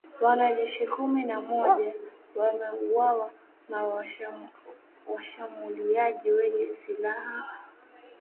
Wanajeshi kumi na moja wameuawa na washambuliaji wenye silaha